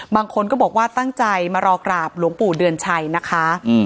บางคนก็บอกว่าตั้งใจมารอกราบหลวงปู่เดือนชัยนะคะ